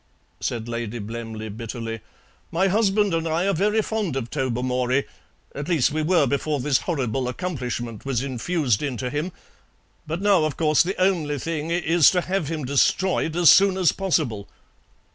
said Lady Blemley bitterly. "My husband and I are very fond of Tobermory at least, we were before this horrible accomplishment was infused into him; but now, of course, the only thing is to have him destroyed as soon as possible."